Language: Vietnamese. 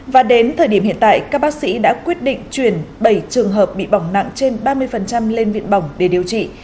và đến thời điểm hiện tại các bác sĩ đã quyết định chuyển bảy trường hợp bị bỏng nặng trên ba mươi lên viện bỏng để điều trị